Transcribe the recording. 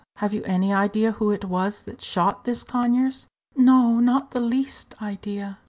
"Have you any idea who it was that shot this Conyers?" "No, not the least idea."